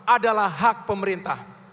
adalah hak pemerintah